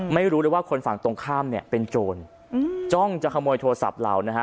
ไม่รู้เลยว่าคนฝั่งตรงข้ามเนี่ยเป็นโจรจ้องจะขโมยโทรศัพท์เรานะฮะ